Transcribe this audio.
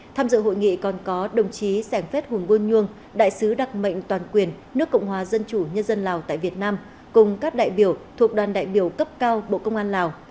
tham dự hội nghị còn có đồng chí sản phết hùng buôn nhung đại sứ đặc mệnh toàn quyền nước cộng hòa dân chủ nhân dân lào tại việt nam cùng các đại biểu thuộc đoàn đại biểu cấp cao bộ công an lào